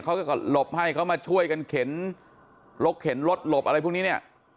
เขาก็หลบให้เขามาช่วยกันเข็นรถเข็นรถหลบอะไรพวกนี้เนี่ย